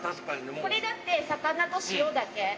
これだって、魚と塩だけ。